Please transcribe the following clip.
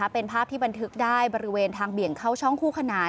เป็นภาพที่บันทึกได้บริเวณทางเบี่ยงเข้าช่องคู่ขนาน